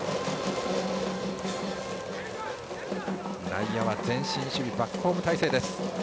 内野は前進守備バックホーム態勢です。